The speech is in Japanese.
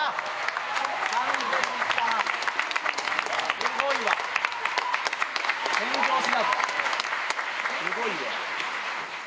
すごいよ。